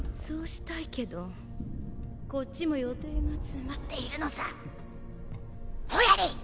そうしたいけどこっちも予定が詰まっているのさおやり！